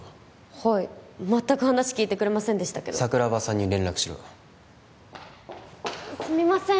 はい全く話聞いてくれませんでしたけど桜庭さんに連絡しろすみません